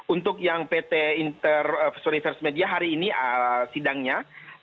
untuk yang pt internus dan pt first media hari ini sidangnya